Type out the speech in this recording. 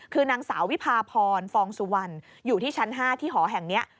คือนางสาววิพาพรฟองสุวรรณอยู่ที่ชั้น๕ที่หอแห่งนี้